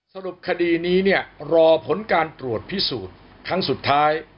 สรุปคดีนี้เนี่ยรอผลการตรวจพิสูจน์ครั้งสุดท้าย